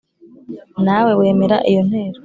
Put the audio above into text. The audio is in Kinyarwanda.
Nawe wemera iyo ntero,